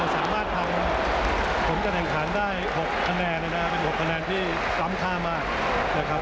สามารถทำผลการแข่งขันได้๖คะแนนนะครับเป็น๖คะแนนที่ซ้ำค่ามากนะครับ